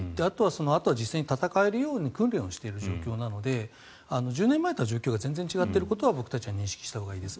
あとは実戦で戦えるように訓練をしている状況なので１０年前と状況が全然違っていることは僕たちは認識したほうがいいです。